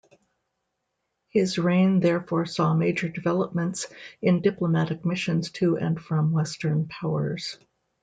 His reign therefore saw major developments in diplomatic missions to and from Western powers.